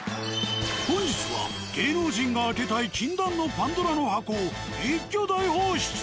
本日は芸能人が開けたい禁断のパンドラの箱を一挙大放出。